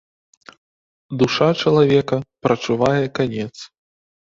Душа чалавека прачувае канец.